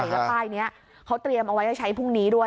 แล้วป้ายนี้เขาเตรียมเอาไว้จะใช้พรุ่งนี้ด้วย